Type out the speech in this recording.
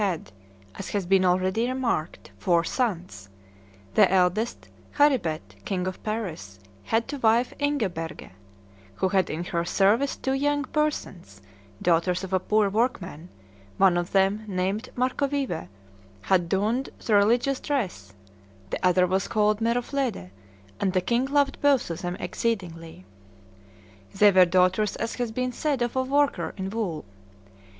had, as has been already remarked, four sons: the eldest, Charibert, king of Paris, had to wife Ingoberge, "who had in her service two young persons, daughters of a poor work man; one of them, named Marcovieve, had donned the religious dress, the other was called Meroflede, and the king loved both of them exceedingly. They were daughters, as has been said, of a worker in wool.